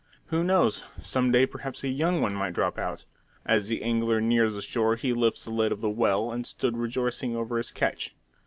Who knows, some day perhaps a young one might drop out! As the angler neared the shore he lifted the lid of the well, and stood rejoicing over his catch.